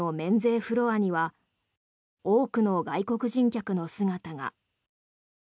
フロアには多くの外国人客の姿が。